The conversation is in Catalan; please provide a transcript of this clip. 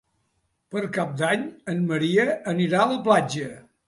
Per Cap d'Any en Maria anirà a la platja.